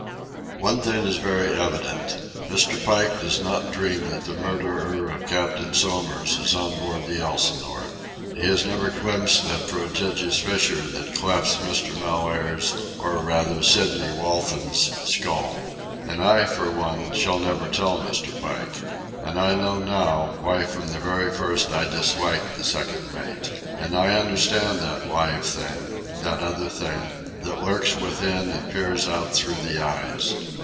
One thing is very evident. Mr. Pike does not dream that the murderer of Captain Somers is on board the Elsinore. He has never glimpsed that prodigious fissure that clefts Mr. Mellaire's, or, rather, Sidney Waltham's, skull. And I, for one, shall never tell Mr. Pike. And I know, now, why from the very first I disliked the second mate. And I understand that live thing, that other thing, that lurks within and peers out through the eyes.